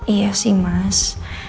iya sih mas